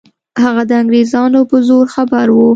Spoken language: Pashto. هغه د انګریزانو په زور خبر وو.